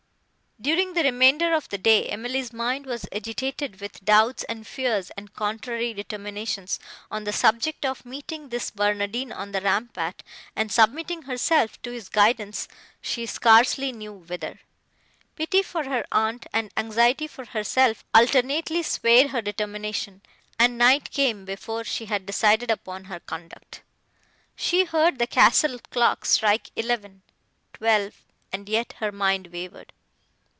During the remainder of the day, Emily's mind was agitated with doubts and fears and contrary determinations, on the subject of meeting this Barnardine on the rampart, and submitting herself to his guidance, she scarcely knew whither. Pity for her aunt and anxiety for herself alternately swayed her determination, and night came, before she had decided upon her conduct. She heard the castle clock strike eleven—twelve—and yet her mind wavered.